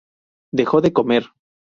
Dejó de comer.